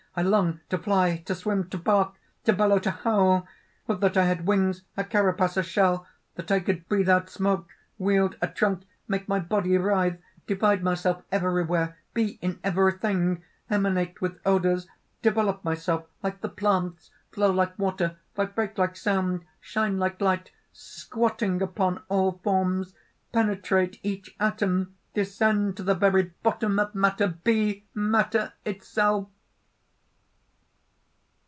I long to fly, to swim, to bark, to bellow, to howl! Would that I had wings, a carapace, a shell, that I could breathe out smoke, wield a trunk, make my body writhe, divide myself everywhere, be in everything, emanate with odours, develop myself like the plants, flow like water, vibrate like sound shine like light, squatting upon all forms penetrate each atom descend to the very bottom of matter, be matter itself!"